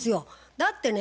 だってね